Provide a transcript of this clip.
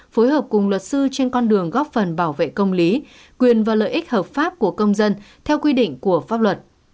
phối hợp cùng luật sư trên con đường góp phần bảo vệ công lý quyền và lợi ích hợp pháp của công dân theo quy định của pháp luật